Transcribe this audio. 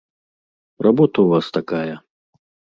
Работа ў вас такая.